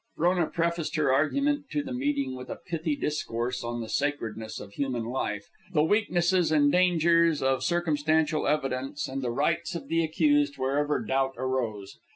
Frona prefaced her argument to the meeting with a pithy discourse on the sacredness of human life, the weaknesses and dangers of circumstantial evidence, and the rights of the accused wherever doubt arose.